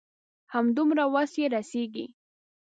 همدومره وس يې رسيږي.